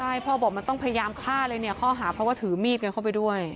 ใช่พ่อบอกมันต้องพยายามฆ่าเลยเนี่ยข้อหาเพราะว่าถือมีดกันเข้าไปด้วย